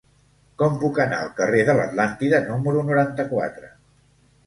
Com puc anar al carrer de l'Atlàntida número noranta-quatre?